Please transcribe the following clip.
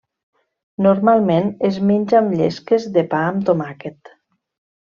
Normalment es menja amb llesques de pa amb tomàquet.